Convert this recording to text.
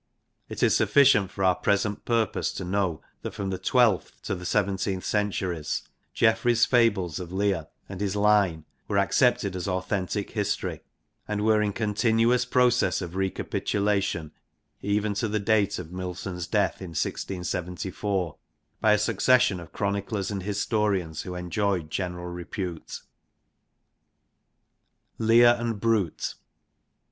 It is sufficient for our present purpose to know that from the twelfth to the seventeenth centuries Geoffrey's fables of Lear and his line xxiv INTRODUCTION were accepted as authentic history, and were in continuous process of recapitulation, even to the date of Milton's death in 1674, by a succession of chroniclers and historians who enjoyed general repute. Lear and Brute.